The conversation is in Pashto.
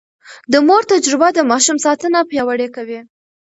د مور تجربه د ماشوم ساتنه پياوړې کوي.